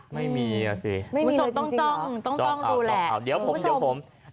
ไม่มีอ่ะสิไม่มีเลยจริงหรอต้องรูแล